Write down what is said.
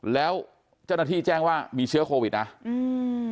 แล้วเจ้าหน้าที่แจ้งว่ามีเชื้อโควิดนะอืม